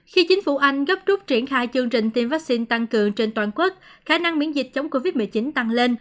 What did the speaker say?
khi chính phủ anh gấp rút triển khai chương trình tiêm vaccine tăng cường trên toàn quốc khả năng miễn dịch chống covid một mươi chín tăng lên